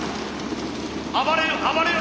暴れる暴れる！